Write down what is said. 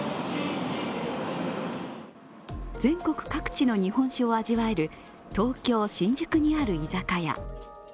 全国各地の日本酒を味わえる東京・新宿にある居酒屋。